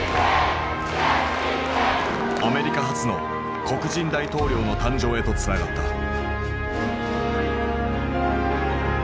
アメリカ初の黒人大統領の誕生へとつながった。